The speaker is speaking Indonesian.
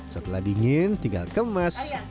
setelah dingin tinggal kemas